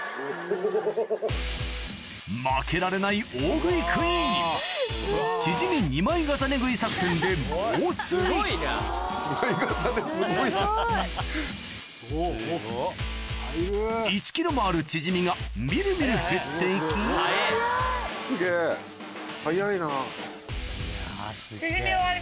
負けられない大食いクイーン・２枚重ねすごい・１ｋｇもあるチヂミが見る見る減っていきすげぇ早いな。